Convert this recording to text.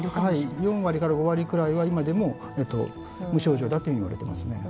４５割ぐらいは今でも無症状だといわれていますね。